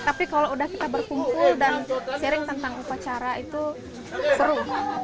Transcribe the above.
tapi kalau udah kita berkumpul dan sharing tentang upacara itu seru